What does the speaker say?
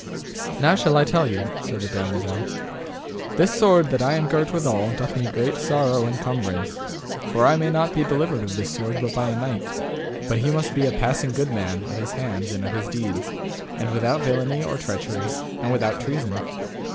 Now shall I tell you, said the damosel; this sword that I am girt withal doth me great sorrow and cumbrance, for I may not be delivered of this sword but by a knight, but he must be a passing good man of his hands and of his deeds, and without villainy or treachery, and without treason.